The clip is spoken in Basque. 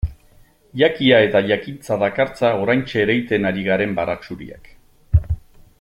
Jakia eta jakintza dakartza oraintxe ereiten ari garen baratxuriak.